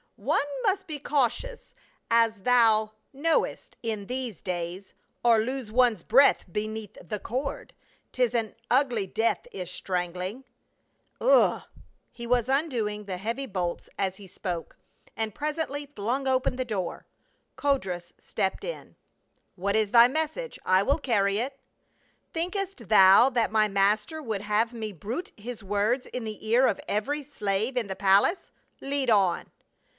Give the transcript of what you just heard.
One must be cautious, as thou THE RECLUSE OF CAPRAE. 59 knowest, in these days, or lose one's breath beneath the cord. 'Tis an ugly death is strangHng — ugh !" He was undoing the heavy bolts as he spoke, and pres ently flung open the door. Codrus stepped in. " What is thy message ? I will carry it." " Thinkest thou that my master would have me bruit his words in the ear of every slave in the palace ? Lead on."